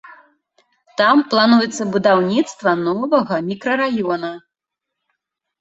Там плануецца будаўніцтва новага мікрараёна.